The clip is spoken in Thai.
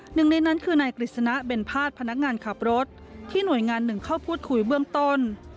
หนึ่งในนั้นคือนายกฤษณะเบนพาดพนักงานขับรถที่หน่วยงานหนึ่งเข้าพูดคุยเบื้องต้น